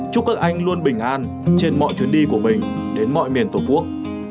chúc các anh luôn bình an trên mọi chuyến đi của mình đến mọi miền tổ quốc